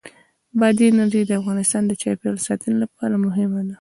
بادي انرژي د افغانستان د چاپیریال ساتنې لپاره مهم دي.